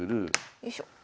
よいしょ。